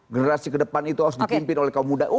generasi ke depan itu harus dipimpin oleh kaum muda